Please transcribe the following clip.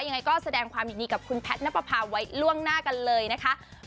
ยังไงก็แสดงความยินดีกับคุณแพทย์นับประพาไว้ล่วงหน้ากันเลยนะคะ